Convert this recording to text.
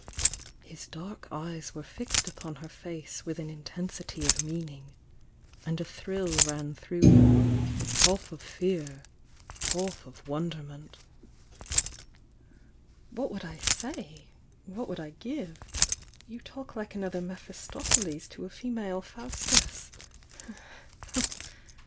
His dark eyes were fixed upon her face with an in tensity of meaning, and a thrill ran through her, half of fear, half of wonderment. "What would I say? — what would I give? You talk like another Mephistopheles to a female Faus tus!"